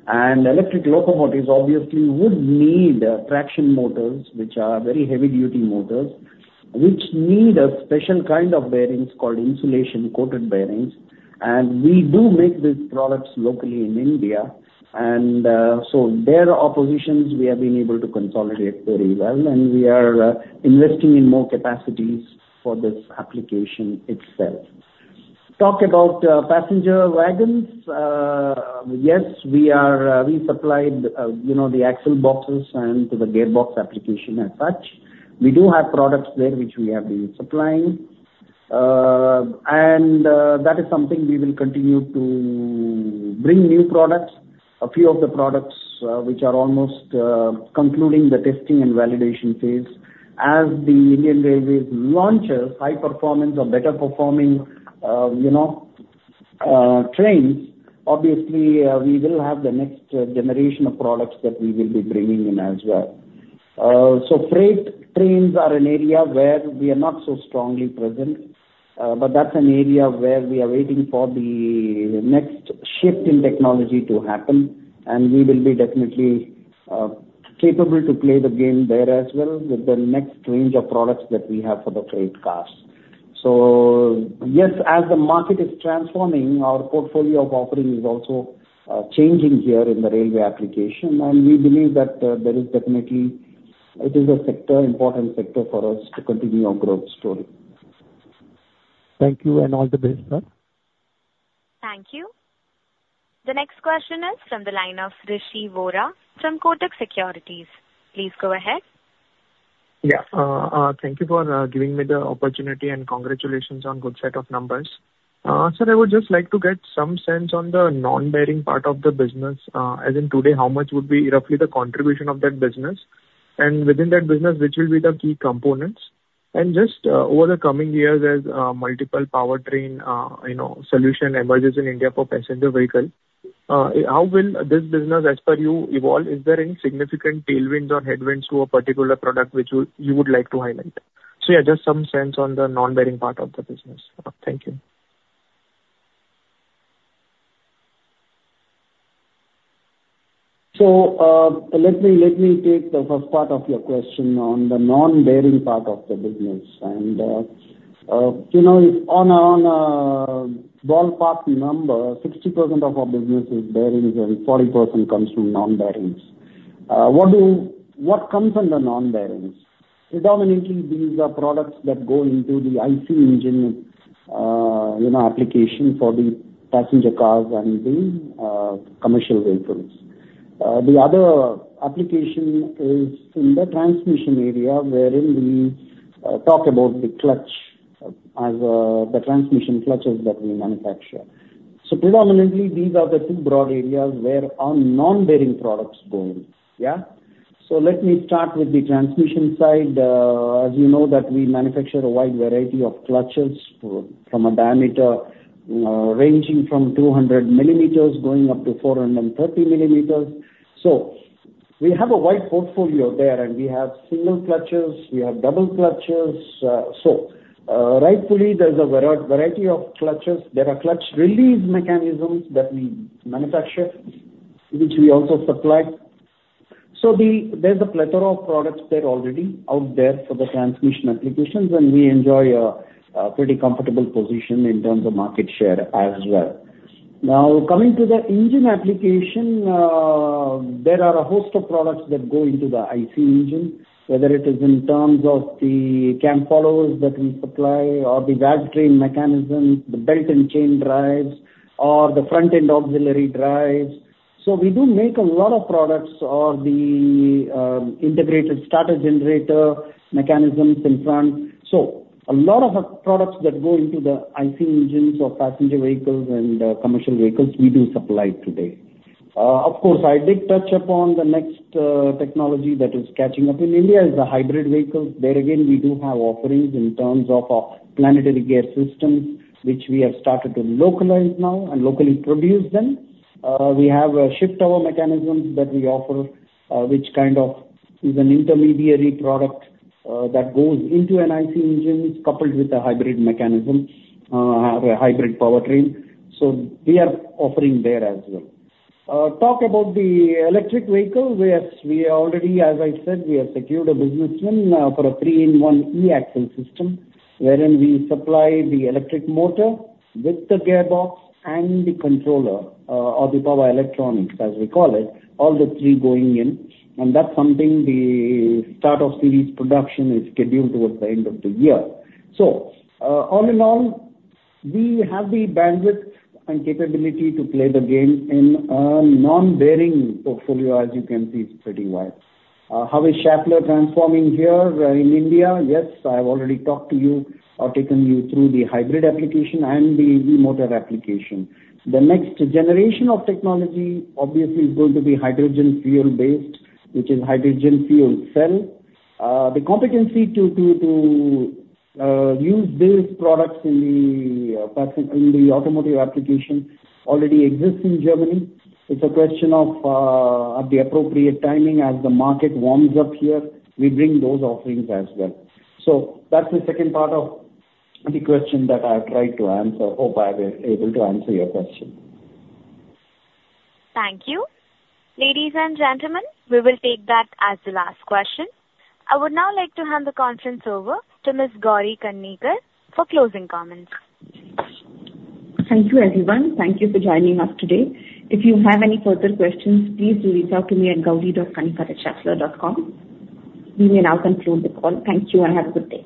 And electric locomotives obviously would need traction motors, which are very heavy-duty motors, which need a special kind of bearings called insulation-coated bearings. And we do make these products locally in India. And so our operations, we have been able to consolidate very well, and we are investing in more capacities for this application itself. Talk about passenger wagons, yes, we supplied the axle boxes and the gearbox application as such. We do have products there which we have been supplying. And that is something we will continue to bring new products, a few of the products which are almost concluding the testing and validation phase. As the Indian Railways launch high-performance or better-performing trains, obviously, we will have the next generation of products that we will be bringing in as well. So freight trains are an area where we are not so strongly present, but that's an area where we are waiting for the next shift in technology to happen. We will be definitely capable to play the game there as well with the next range of products that we have for the freight cars. Yes, as the market is transforming, our portfolio of offerings is also changing here in the railway application. We believe that there is definitely. It is a sector, important sector for us to continue our growth story. Thank you, and all the best, sir. Thank you. The next question is from the line of Rishi Vora from Kotak Securities. Please go ahead. Yeah. Thank you for giving me the opportunity, and congratulations on a good set of numbers. Sir, I would just like to get some sense on the non-bearing part of the business. As in today, how much would be roughly the contribution of that business? And within that business, which will be the key components? And just over the coming years, as multiple powertrain solutions emerge in India for passenger vehicles, how will this business, as per you, evolve? Is there any significant tailwinds or headwinds to a particular product which you would like to highlight? So yeah, just some sense on the non-bearing part of the business. Thank you. So let me take the first part of your question on the non-bearing part of the business. And on a ballpark number, 60% of our business is bearings, and 40% comes from non-bearings. What comes under non-bearings? Predominantly, these are products that go into the IC engine application for the passenger cars and the commercial vehicles. The other application is in the transmission area, wherein we talk about the clutch as the transmission clutches that we manufacture. So predominantly, these are the two broad areas where our non-bearing products go, yeah? So let me start with the transmission side. As you know, we manufacture a wide variety of clutches from a diameter ranging from 200 millimeters going up to 430 millimeters. So we have a wide portfolio there, and we have single clutches. We have double clutches. So rightfully, there's a variety of clutches. There are clutch release mechanisms that we manufacture, which we also supply. So there's a plethora of products there already out there for the transmission applications, and we enjoy a pretty comfortable position in terms of market share as well. Now, coming to the engine application, there are a host of products that go into the IC engine, whether it is in terms of the cam followers that we supply or the valve drain mechanism, the belt and chain drives, or the front-end auxiliary drives. So we do make a lot of products or the integrated starter generator mechanisms in front. So a lot of products that go into the IC engines of passenger vehicles and commercial vehicles, we do supply today. Of course, I did touch upon the next technology that is catching up in India, the hybrid vehicles. There again, we do have offerings in terms of our planetary gear systems, which we have started to localize now and locally produce them. We have shift tower mechanisms that we offer, which kind of is an intermediary product that goes into an IC engine coupled with a hybrid mechanism, a hybrid powertrain. So we are offering there as well. Talk about the electric vehicle, whereas we already, as I said, we have secured a business plan for a three-in-one e-axle system, wherein we supply the electric motor with the gearbox and the controller, or the power electronics, as we call it, all the three going in. And that's something the start of series production is scheduled towards the end of the year. So all in all, we have the bandwidth and capability to play the game in a non-bearing portfolio, as you can see, it's pretty wide. How is Schaeffler transforming here in India? Yes, I have already talked to you or taken you through the hybrid application and the e-motor application. The next generation of technology, obviously, is going to be hydrogen fuel-based, which is hydrogen fuel cell. The competency to use these products in the automotive application already exists in Germany. It's a question of the appropriate timing as the market warms up here. We bring those offerings as well. So that's the second part of the question that I have tried to answer. Hope I've been able to answer your question. Thank you. Ladies and gentlemen, we will take that as the last question. I would now like to hand the conference over to Ms. Gauri Kanikar for closing comments. Thank you, everyone. Thank you for joining us today. If you have any further questions, please do reach out to me at gauri.kanikar@schaeffler.com. We may now conclude the call. Thank you, and have a good day.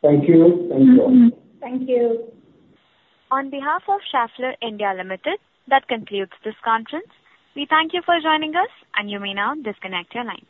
Thank you. Thank you. Thank you. On behalf of Schaeffler India Limited, that concludes this conference. We thank you for joining us, and you may now disconnect your lines.